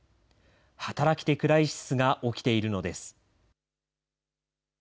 働き手クライシスが起きているのです。